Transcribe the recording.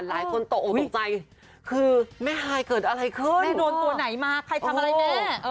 หลายคนตกออกตกใจคือแม่ฮายเกิดอะไรขึ้นโดนตัวไหนมาใครทำอะไรแม่